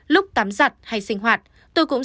lúc tắm giặt hay sinh hoạt tôi cũng